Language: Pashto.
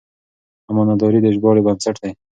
امانتداري د ژباړې بنسټ دی.